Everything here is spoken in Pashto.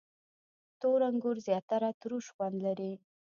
• تور انګور زیاتره تروش خوند لري.